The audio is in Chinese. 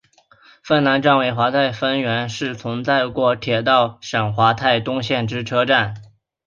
丰南站为桦太丰原市存在过之铁道省桦太东线之车站。